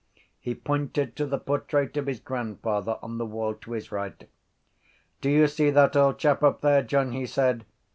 He pointed to the portrait of his grandfather on the wall to his right. —Do you see that old chap up there, John? he said.